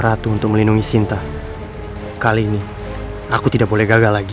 ratu untuk melindungi sinta kali ini aku tidak boleh gagal lagi